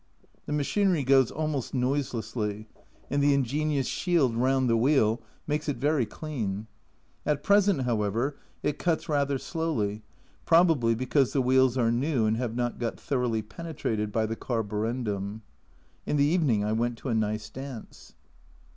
The machinery goes almost noiselessly, and the ingenious shield round the wheel makes it very clean. At present, however, it cuts rather slowly, probably because the wheels are new and have not got thoroughly penetrated by the carborundum. In the evening I went to a nice dance.